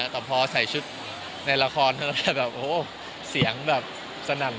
ต่อพอใส่ชุดในละครเขาจะแบบโหเรียกแสงจะแบบสนั่นดึง